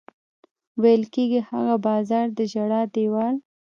ویل کېږي هغه بازار د ژړا دېوال.